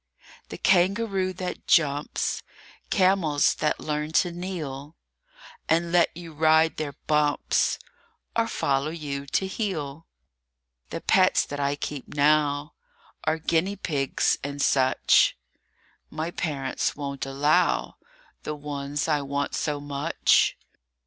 THE kangaroo that jumps, Camels that learn to kneel And let you ride their bumps, Or follow you to heel. THE pets that I keep now Are guinea pigs and such; My parents won't allow The ones I want so much.